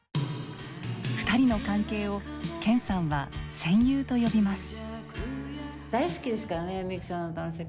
２人の関係を研さんは「戦友」と呼びます。